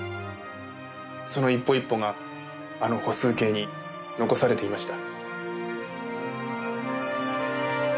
その一歩一歩があの歩数計に残されていました。